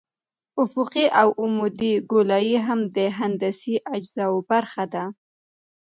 افقي او عمودي ګولایي هم د هندسي اجزاوو برخه ده